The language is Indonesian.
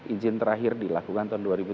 izin terakhir dilakukan